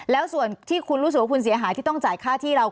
แล้วส่วนที่คุณรู้สึกว่าคุณเสียหายที่ต้องจ่ายค่าที่เรา